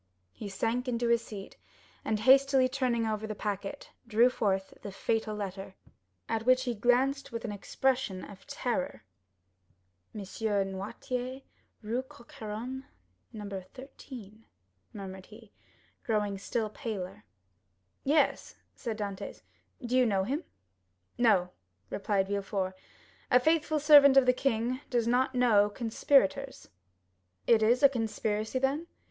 He sank into his seat, and hastily turning over the packet, drew forth the fatal letter, at which he glanced with an expression of terror. "M. Noirtier, Rue Coq Héron, No. 13," murmured he, growing still paler. "Yes," said Dantès; "do you know him?" "No," replied Villefort; "a faithful servant of the king does not know conspirators." 0103m "It is a conspiracy, then?"